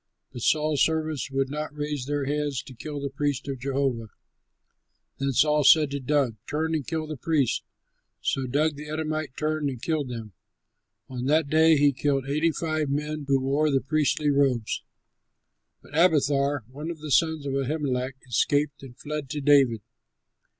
But Saul's servants would not raise their hands to kill the priests of Jehovah. Then Saul said to Doeg, "Turn and kill the priests." So Doeg, the Edomite, turned and killed them. On that day he killed eighty five men who wore the priestly robes. But Abiathar, one of the sons of Ahimelech, escaped and fled to David.